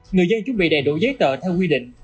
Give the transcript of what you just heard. người dân chuẩn bị đầy đủ giấy tờ theo quy định